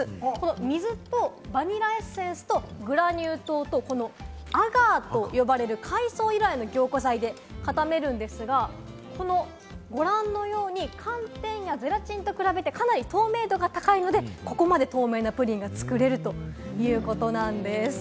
水とバニラエッセンスとグラニュー糖とこのアガーと呼ばれる海藻由来の凝固剤で固めるんですが、ご覧のように寒天やゼラチンと比べてかなり透明度が高いので、ここまで透明なプリンが作れるということなんです。